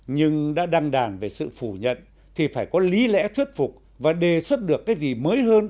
nhưng đã đăng đàn về sự phủ nhận thì phải có lý lẽ thuyết phục và đề xuất được cái gì mới hơn